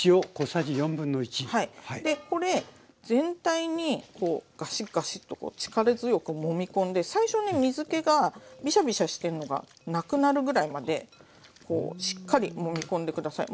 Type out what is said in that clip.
でこれ全体にガシッガシッとこう力強くもみ込んで最初ね水けがビシャビシャしてるのがなくなるぐらいまでしっかりもみ込んで下さい。